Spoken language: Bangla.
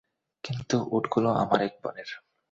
কিন্তু উটগুলো আমার এক বোনের।